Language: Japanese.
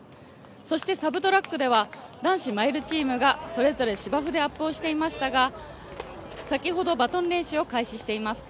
そしてサブトラックでは男子マイルチームがそれぞれ芝生でアップをしていましたが先ほどバトン練習を開始しています。